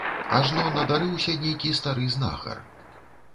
Ажно надарыўся нейкі стары знахар.